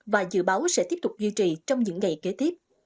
và dự báo sẽ tiếp tục duy trì trong những ngày kế tiếp